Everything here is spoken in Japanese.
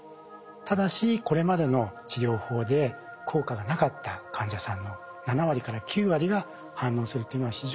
ただしこれまでの治療法で効果がなかった患者さんの７割から９割が反応するというのは非常に高い治療効果。